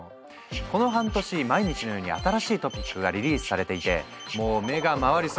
この半年毎日のように新しいトピックがリリースされていてもう目が回りそう！